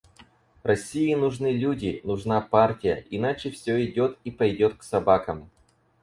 России нужны люди, нужна партия, иначе всё идет и пойдет к собакам.